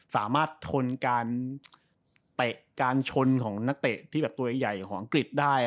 สามารถทนการเตะ้าระชนของนักเตะที่ตัวใหญ่ของอังกฤษได้